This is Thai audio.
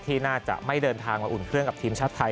ที่น่าจะไม่เดินทางมาอุ่นเครื่องกับทีมชาติไทย